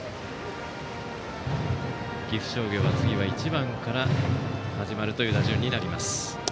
岐阜商業は次は１番から始まる打順になります。